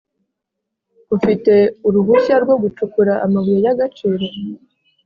Ufite uruhushya rwo gucukura amabuye y’agaciro‽